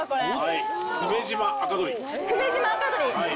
久米島赤鶏。